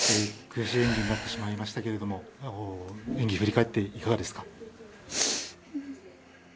悔しい演技になってしまいましたけど演技、振り返っていかがですか？